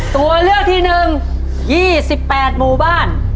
ตัวเลือกที่๑๒๘หมู่บ้าน